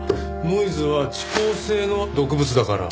ノイズは遅効性の毒物だから。